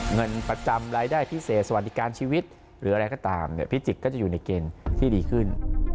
เงินประจำรายได้พิเศษสวัสดิการชีวิตหรืออะไรก็ตามเนี่ยพิจิกก็จะอยู่ในเกณฑ์ที่ดีขึ้น